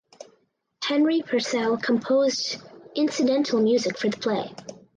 Henry Purcell composed incidental music for the play.